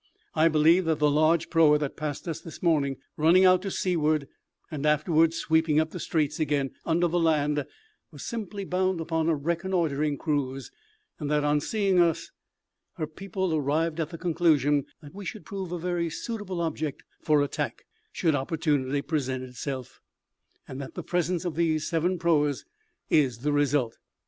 I believe that the large proa that passed us this morning, running out to seaward, and afterwards sweeping up the straits again, under the land, was simply bound upon a reconnoitring cruise; and that, on seeing us, her people arrived at the conclusion that we should prove a very suitable object for attack, should opportunity present itself; and that the presence of those seven proas is the result.